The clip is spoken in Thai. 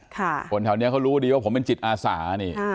คนแถวนี้เขารู้ดีว่าผมเป็นจิตอาสานี่